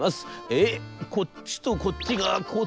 『えっこっちとこっちがこうつながって。